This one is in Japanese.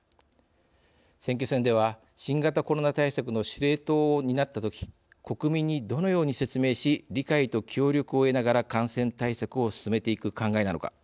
選挙戦では新型コロナ対策の司令塔を担ったとき国民にどのように説明し理解と協力を得ながら感染対策を進めていく考えなのか。